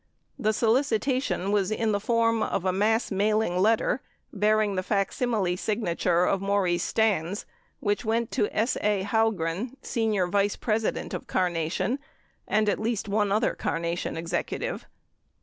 The solicitation was in the form or a mass mailing letter, bearing the facsimile signature of Maurice Stans, which went to S. A. Halgren, senior vice president of Carnation, and at least one other Carnation executive.